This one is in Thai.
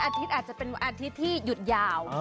อาทิตย์อาจจะเป็นอาทิตย์ที่หยุดยาว